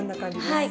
はい。